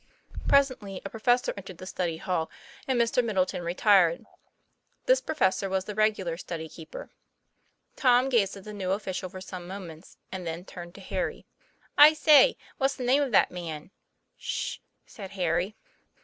Presently a professor entered the study hall, and Mr. Middleton retired. This professor was the reg ular study keeper. Tom gazed at the new official for some moments, and then turned to Harry. " I say, what's the name of that man?" "Sh!" said Harry.